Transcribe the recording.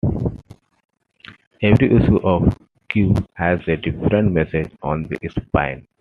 Every issue of "Q" has a different message on the spine.